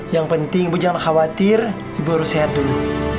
yang penting ibu jangan khawatir ibu harus sehat dulu